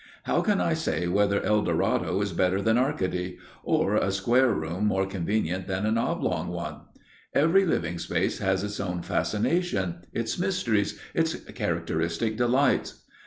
How can I say whether El Dorado is better than Arcady, or a square room more convenient than an oblong one? Every living place has its own fascination, its mysteries, its characteristic delights.